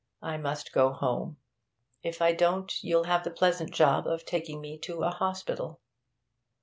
I must go home. If I don't, you'll have the pleasant job of taking me to a hospital.'